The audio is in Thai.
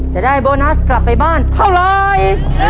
จะได้โบนัสกลับไปบ้านเท่าไร